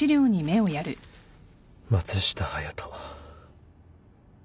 松下隼人。